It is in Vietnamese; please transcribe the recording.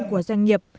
của doanh nghiệp